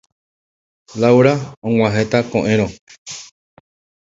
Laura og̃uahẽta ko'ẽrõ.